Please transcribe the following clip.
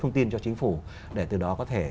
thông tin cho chính phủ để từ đó có thể